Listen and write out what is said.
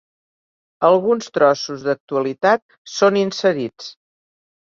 Alguns trossos d'actualitat són inserits.